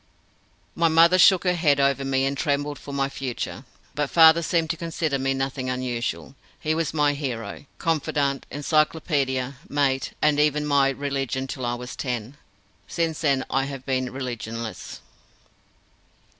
My mother shook her head over me and trembled for my future, but father seemed to consider me nothing unusual. He was my hero, confidant, encyclopedia, mate, and even my religion till I was ten. Since then I have been religionless.